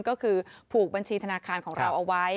ก็คือผูกบัญชีธนาคารของเราเอาไว้